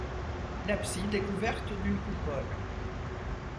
L'abside est couverte d'une coupole.